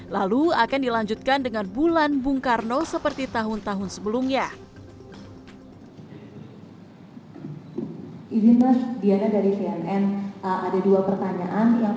lalu akan dilanjutkan dengan bulan bung karno seperti tahun tahun sebelumnya